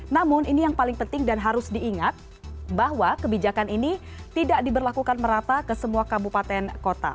namun ini yang paling penting dan harus diingat bahwa kebijakan ini tidak diberlakukan merata ke semua kabupaten kota